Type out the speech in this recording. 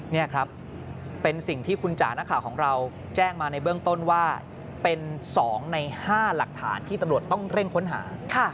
นี่ครับเป็นสิ่งที่คุณจ๋านักข่าวของเราแจ้งมาในเบื้องต้นว่าเป็น๒ใน๕หลักฐานที่ตำรวจต้องเร่งค้นหา